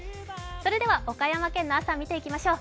それでは岡山県の朝を見ていきましょう。